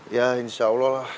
ya insya allah lah